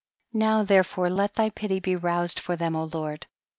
now therefore let thy pity be roused for them, O Lord.